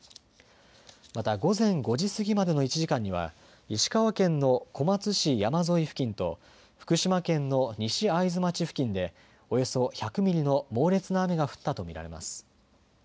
また午前５時過ぎまでの１時間には石川県の小松市山沿い付近と福島県の西会津町付近でおよそ１００ミリの猛烈な雨が降ったと見られます。